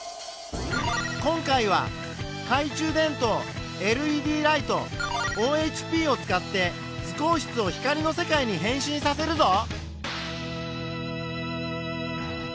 今回は懐中電灯ＬＥＤライトＯＨＰを使って図工室を光の世界に変身させるぞ。